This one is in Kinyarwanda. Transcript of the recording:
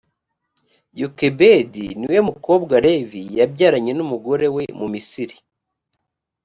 yokebedi niwe mukobwa levi yabyaranye n’umugore we mu misiri.